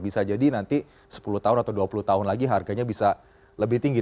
bisa jadi nanti sepuluh tahun atau dua puluh tahun lagi harganya bisa lebih tinggi